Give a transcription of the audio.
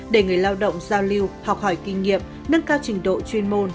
để người lao động giao lưu học hỏi kinh nghiệm nâng cao trình độ chuyên môn